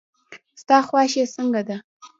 ستا خواشي څنګه ده.